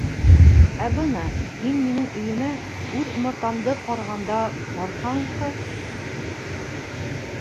Ә бына, һин минең өйөмә, үҙ умартамды ҡарағанда барһаң, һы...